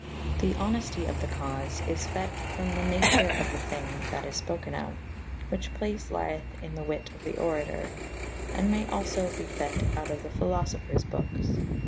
The honefty of the caufe is fet from the nature of the thynge that is fpoken of / whiche place lieth in the wytte of the oratour /and maye alfo be fet out of the phylofophers bokes.